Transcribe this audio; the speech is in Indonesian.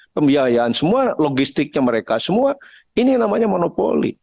pembiayaan semua logistiknya mereka semua ini yang namanya monopoli